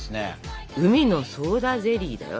うみのソーダゼリーだよ。